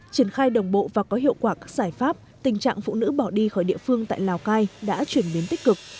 triển khai đồng bộ và có hiệu quả các giải pháp tình trạng phụ nữ bỏ đi khỏi địa phương tại lào cai đã chuyển biến tích cực